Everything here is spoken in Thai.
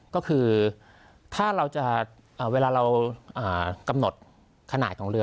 ก็คือเวลาเรากำหนดขนาดของเรือ